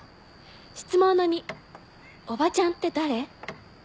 質問の２おばちゃんって誰？